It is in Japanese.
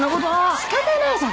しかたないじゃん！